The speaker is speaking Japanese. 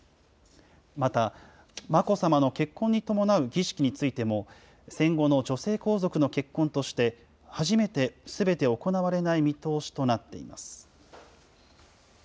また、眞子さまの結婚に伴う儀式についても、戦後の女性皇族の結婚として、初めてすべて行われない見通しとなっています。